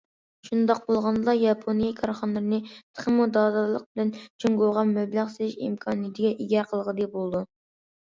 شۇنداق بولغاندىلا ياپونىيە كارخانىلىرىنى تېخىمۇ دادىللىق بىلەن جۇڭگوغا مەبلەغ سېلىش ئىمكانىيىتىگە ئىگە قىلغىلى بولىدۇ.